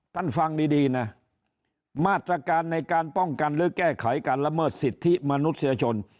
ฟังดีนะมาตรการในการป้องกันหรือแก้ไขการละเมิดสิทธิมนุษยชน